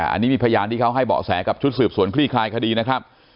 อันนี้มีพยานที่เขาให้เบาะแสกับชุดสืบสวนคลี่คลายคดีนะครับ